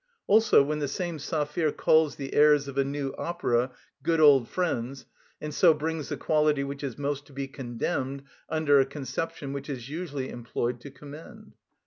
Also when the same Saphir calls the airs of a new opera "good old friends," and so brings the quality which is most to be condemned under a conception which is usually employed to commend.